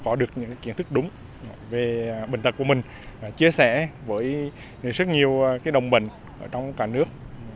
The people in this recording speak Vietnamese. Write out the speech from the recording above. có được những kiến thức đúng về bệnh tật của mình chia sẻ với rất nhiều đồng bệnh trong cả nước